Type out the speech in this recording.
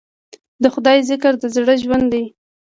د خدای ذکر د زړه ژوند دی.